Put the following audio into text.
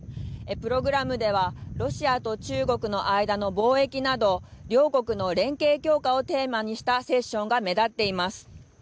プログラムではロシアと中国の間の貿易など両国の連携強化をテーマにしたセッションが目立っています。